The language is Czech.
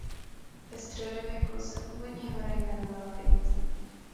Ve středověku se původně hora jmenovala "Vinice".